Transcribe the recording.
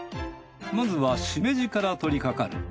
まずはしめじから取りかかる。